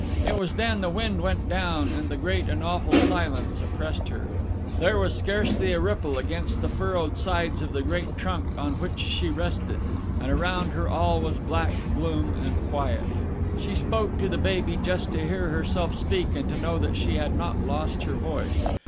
It was then the wind went down, and the great and awful silence oppressed her. There was scarcely a ripple against the furrowed sides of the great trunk on which she rested, and around her all was black gloom and quiet. She spoke to the baby just to hear herself speak, and to know that she had not lost her voice.